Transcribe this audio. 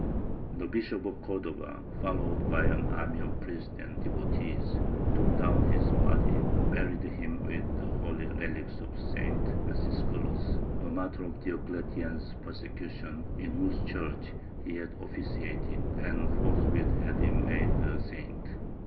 The Bishop of Cordova, followed by an army of priests and devotees, took down his body, buried him with the holy relics of St. Acisclus, a martyr of Diocletian's persecution, in whose church he had officiated, and forthwith had him made a saint.